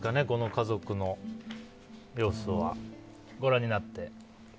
この家族の様子はご覧になって。